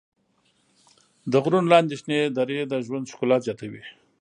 د غرونو لاندې شنې درې د ژوند ښکلا زیاتوي.